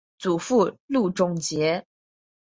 祖父路仲节。